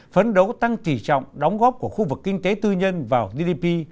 phấn đấu tăng kỳ trọng đóng góp của khu vực kinh tế tư nhân vào gdp